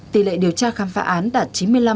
tỷ lệ điều tra khám phá án đạt chín mươi năm tám mươi ba